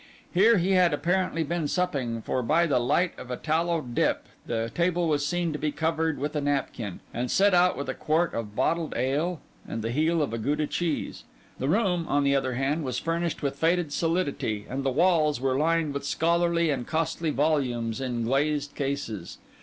Here he had apparently been supping; for by the light of a tallow dip the table was seen to be covered with a napkin, and set out with a quart of bottled ale and the heel of a Gouda cheese. The room, on the other hand, was furnished with faded solidity, and the walls were lined with scholarly and costly volumes in glazed cases.